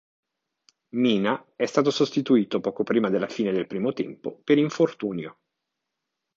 Mina è stato sostituito poco prima della fine del primo tempo per infortunio.